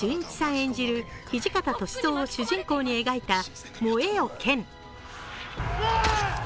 演じる土方歳三を主人公に描いた「燃えよ剣」。